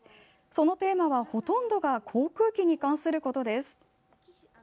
そのテーマは、ほとんどが航空機に関することです。